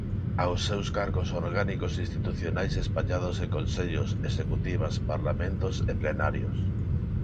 Aos seus cargos orgánicos e institucionais espallados en consellos, executivas, parlamentos e plenarios.